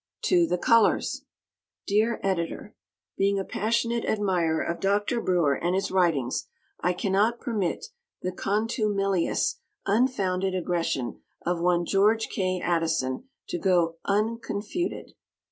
To the Colors! Dear Editor: Being a passionate admirer of Dr. Breuer and his writings, I cannot permit the contumelious, unfounded aggression of one George K. Addison to go on unconfuted.